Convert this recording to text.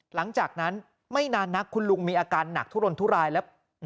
หลังจากนั้นไม่นานนักคุณลุงมีอาการหนักทุรนทุรายแล้ว